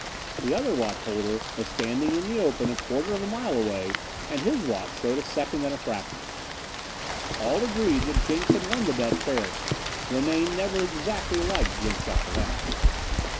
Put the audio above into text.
The other watch holder was standing in the open a quarter of a mile away and his watch showed a second and a fraction. All hands agreed that Jenks had won the bet fairly. Linane never exactly liked Jenks after that.